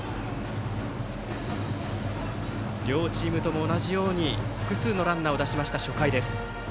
両チームとも同じように複数のランナーを出した初回。